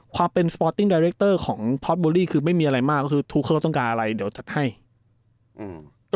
ความเป็นสปอร์ตติ้งดาเรคเตอร์ของทอดโบรี่คือไม่มีอะไรมากก็คือทุกคนเราต้องการอะไรเดี๋ยวจัดให้อืม